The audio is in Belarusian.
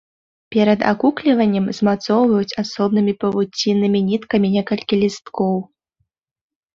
Перад акукліваннем змацоўваюць асобнымі павуціннымі ніткамі некалькі лісткоў.